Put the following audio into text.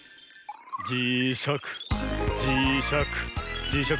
じしゃくじしゃくじしゃく